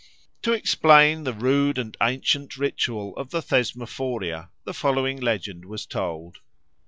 To explain the rude and ancient ritual of the Thesmophoria the following legend was told.